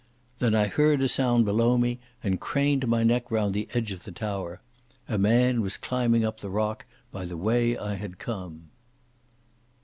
Then I heard a sound below me, and craned my neck round the edge of the tower. A man was climbing up the rock by the way I had come.